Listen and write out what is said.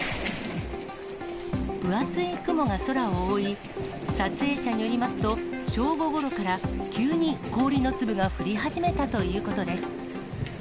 分厚い雲が空を覆い、撮影者によりますと、正午ごろから急に氷の粒が降り始めたということです。